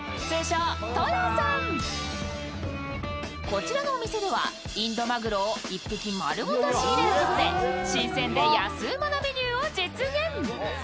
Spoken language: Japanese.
こちらのお店ではインドマグロを１匹丸ごと仕入れることで、新鮮で安ウマなメニューを実現。